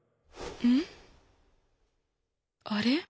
あれ？